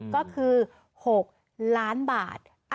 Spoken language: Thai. ก็คือ๖ล้านบาท